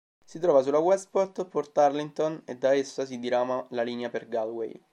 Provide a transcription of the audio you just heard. Si trova sulla Westport–Portarlington e da essa si dirama la linea per Galway.